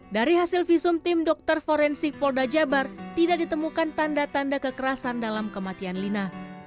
dari hasil visum tim dokter forensik polda jabar tidak ditemukan tanda tanda kekerasan dalam kematian lina